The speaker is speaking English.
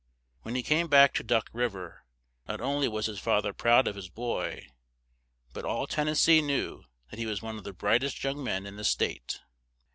When he came back to Duck Riv er, not on ly was his fa ther proud of his boy, but all Ten nes see knew that he was one of the bright est young men in the state.